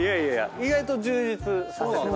意外と充実させてますね。